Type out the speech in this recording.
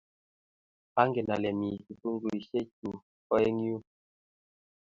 angen ale mi kifunguishe chuu oi eng yu.